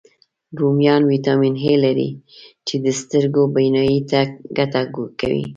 رومیان ویټامین A لري، چې د سترګو بینایي ته ګټه کوي